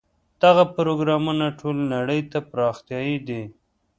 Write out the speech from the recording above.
دغه پروګرامونه ټولې نړۍ ته پراختیايي دي.